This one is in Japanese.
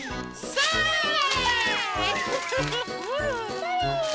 それ！